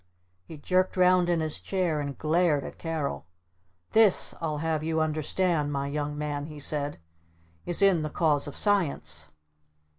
_" He jerked round in his chair and glared at Carol. "This I'll have you understand, my Young Man," he said, "is in the cause of Science!"